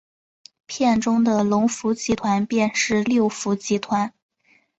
片中的龙福集团便是六福集团。